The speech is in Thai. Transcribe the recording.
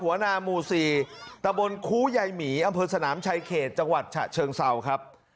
นาหมู่๔ตะบนคูยายหมีอำเภอสนามชายเขตจังหวัดฉะเชิงเศร้าครับ